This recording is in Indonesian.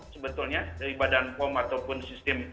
sebetulnya dari badan pom ataupun sistem